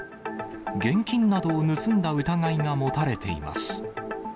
現金などを盗んだ疑いが持たれています。